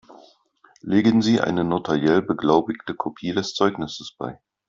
Legen Sie eine notariell beglaubigte Kopie des Zeugnisses bei.